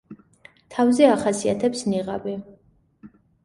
თავზე ახასიათებს „ნიღაბი“.